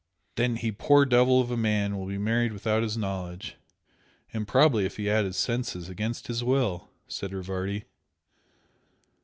"Then he poor devil of a man will be married without his knowledge, and probably (if he had his senses) against his will!" said Rivardi.